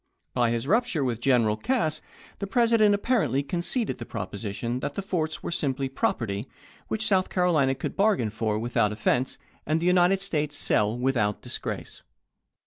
By his rupture with General Cass, the President apparently conceded the proposition that the forts were simply " prop erty" which South Carolina could bargain for without offense, and the United States sell with out disgrace.